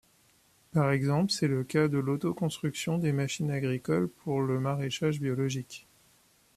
Par exemple, c'est le cas de l'autoconstruction des machines agricoles pour le maraîchage biologique.